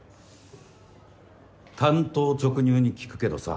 単刀直入に聞くけどさ。